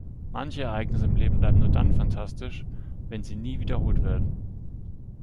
Manche Ereignisse im Leben bleiben nur dann fantastisch, wenn sie nie wiederholt werden.